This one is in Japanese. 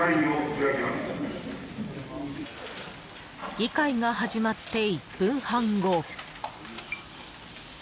［議会が始まって１分半後］